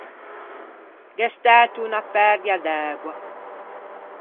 Gh’é stæto unna perdia d’ægua.